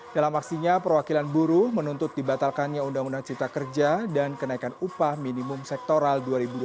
dalam aksinya perwakilan buruh menuntut dibatalkannya undang undang cipta kerja dan kenaikan upah minimum sektoral dua ribu dua puluh